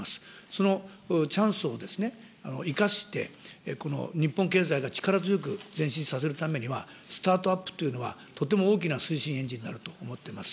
そのチャンスをですね、生かして、この日本経済が力強く前進させるためには、スタートアップというのはとても大きな推進エンジンになると思っています。